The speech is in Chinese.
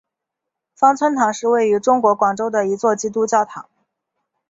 芳村堂是位于中国广州的一座基督教堂。